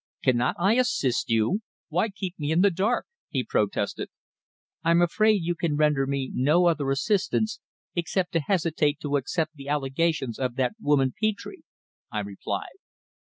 "Cannot I assist you? Why keep me in the dark?" he protested. "I'm afraid you can render me no other assistance except to hesitate to accept the allegations of that woman Petre," I replied.